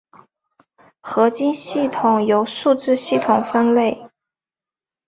合金系统由数字系统分类。